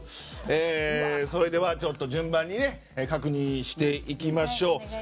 それでは順番に確認していきましょう。